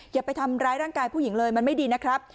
อย่าไปทำร้ายร่างกายผู้หญิงเลยมันไม่ดีนะครับ